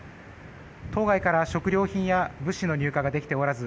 島外から食料品や物資の入荷ができておらず。